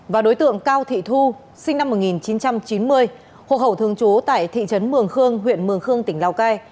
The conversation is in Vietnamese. và đối tượng cao thị thu sinh năm một nghìn chín trăm chín mươi hộ khẩu thường trú tại thị trấn mường khương huyện mường khương tỉnh lào cai